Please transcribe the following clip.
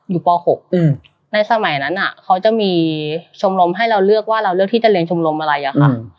ป๖ในสมัยนั้นเขาจะมีชมรมให้เราเลือกว่าเราเลือกที่จะเรียนชมรมอะไรอะค่ะ